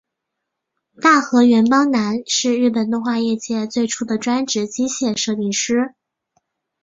大河原邦男是日本动画业界最初的专职机械设定师。